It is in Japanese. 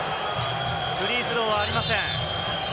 フリースローはありません。